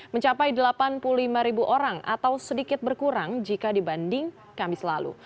mencapai delapan puluh lima ribu orang atau sedikit berkurang jika dibanding kamis lalu